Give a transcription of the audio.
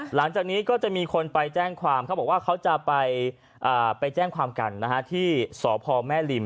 หลังจากนี้ก็จะมีคนไปแจ้งความเขาบอกว่าเขาจะไปแจ้งความกันที่สพแม่ริม